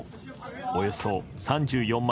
およそ３４万